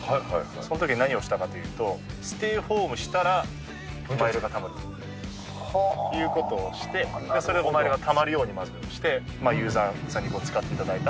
そのときに何をしたかというと、ステイホームしたら、マイルがたまるということをして、それでマイルがたまるようにまずして、ユーザーさんに使っていただいた。